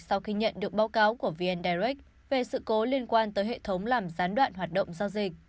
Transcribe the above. sau khi nhận được báo cáo của vn direct về sự cố liên quan tới hệ thống làm gián đoạn hoạt động giao dịch